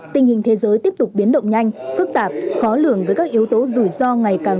tình hình thế giới tiếp tục biến động nhanh phức tạp khó lường với các yếu tố rủi ro ngày càng